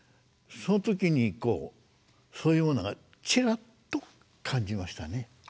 その時にこうそういうものがチラッと感じましたね。